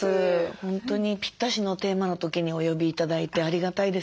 本当にぴったしのテーマの時にお呼び頂いてありがたいです。